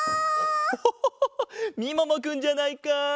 オホホホみももくんじゃないか。